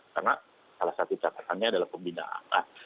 karena salah satu catatannya adalah pembinaan